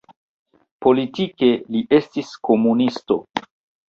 Politike li estis komunisto.